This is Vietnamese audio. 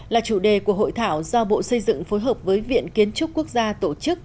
là chủ đề của hội thảo do bộ xây dựng phối hợp với viện kiến trúc quốc gia tổ chức